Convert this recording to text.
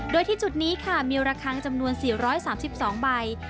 โดยที่จุดนี้ค่ะมีระคังจำนวน๔๓๒ใบ